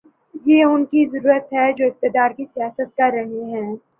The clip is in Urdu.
یہ ان کی ضرورت ہے جو اقتدار کی سیاست کر رہے ہیں۔